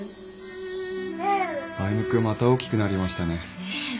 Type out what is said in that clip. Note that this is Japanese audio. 歩君また大きくなりましたね。